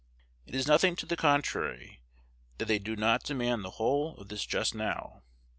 It is nothing to the contrary, that they do not demand the whole of this just now.